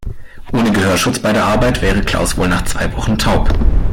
Ohne Gehörschutz bei der Arbeit wäre Klaus wohl nach zwei Wochen taub.